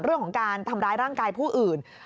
เรื่องของการทำร้ายร่างกายผู้อื่น